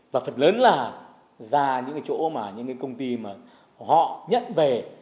và phần lớn là ra những cái chỗ mà những cái công ty mà họ nhận về